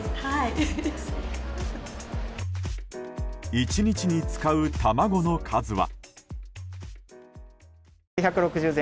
１日に使う卵の数は。